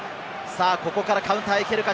ここからカウンター行けるか？